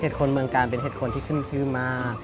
คนเมืองกาลเป็นเห็ดคนที่ขึ้นชื่อมาก